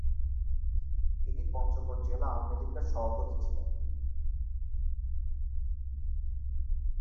তিনি পঞ্চগড় জেলা আওয়ামীলীগের সভাপতি ছিলেন।